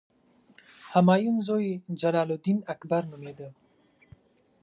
همایون زوی جلال الدین اکبر نومېده.